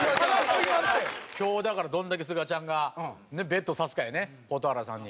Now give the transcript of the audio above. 今日だからどんだけすがちゃんがベットさすかやね蛍原さんに。